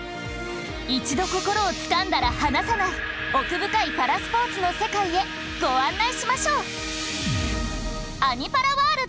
一度心をつかんだら離さない奥深いパラスポーツの世界へご案内しましょう。